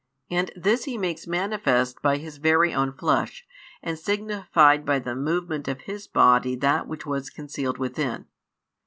And this He makes manifest by His very own Flesh, and signified by the movement of His Body that which was concealed within.